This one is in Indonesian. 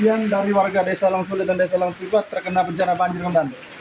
sehingga menyebabkan sebagian dari warga desa long sule dan desa long pipa terkena penjara banjir kawan kawan